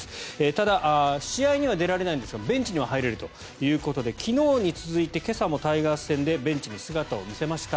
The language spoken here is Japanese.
ただ試合には出られないんですがベンチには入れるということで昨日に続いて今朝もタイガース戦でベンチに姿を見せました。